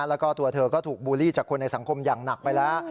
แล้วก็ตัวเธอก็ถูกบูลลี่จากคนในสังคมอย่างหนักไปแล้ว